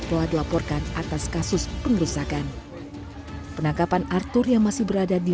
telah dilaporkan atas kasus pengerusakan penangkapan arthur yang masih berada di